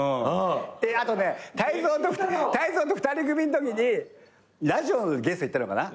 あとね泰造と２人組のときにラジオのゲスト行ったのかな。